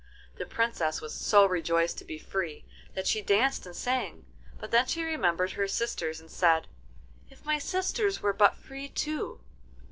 The Princess was so rejoiced to be free that she danced and sang, but then she remembered her sisters, and said: 'If my sisters were but free too!